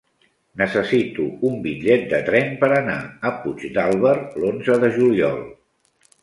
Necessito un bitllet de tren per anar a Puigdàlber l'onze de juliol.